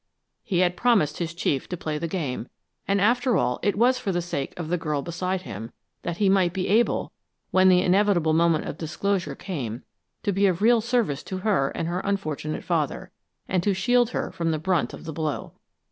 He had promised his chief to play the game, and after all it was for the sake of the girl beside him, that he might be able, when the inevitable moment of disclosure came, to be of real service to her and her unfortunate father, and to shield her from the brunt of the blow.